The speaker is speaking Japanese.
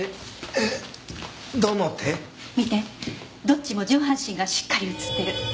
どっちも上半身がしっかり映ってる。